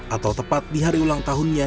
atau tepat di hari ulang tahunnya